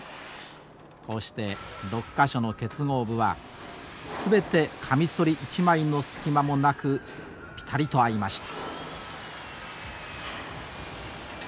こうして６か所の結合部は全てかみそり一枚の隙間もなくピタリと合いました。